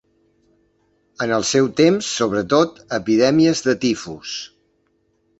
En el seu temps, sobretot, epidèmies de tifus.